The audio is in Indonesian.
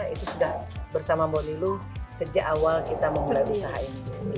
itu sudah bersama mbak nilu sejak awal kita memulai usaha ini